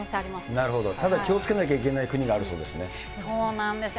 なるほど、ただ気をつけなきゃいけない国があるそうですね。